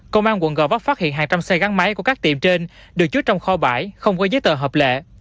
công an quận gò vấp phát hiện hàng trăm xe gắn máy của các tiệm trên được chứa trong kho bãi không có giấy tờ hợp lệ